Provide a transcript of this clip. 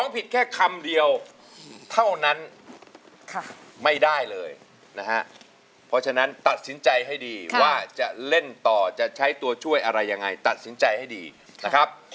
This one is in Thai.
เพราะฉะนั้นตัดสินใจให้ดีว่าจะเล่นต่อจะใช้ตัวช่วยอะไรยังไงตัดสินใจให้ดีนะครับ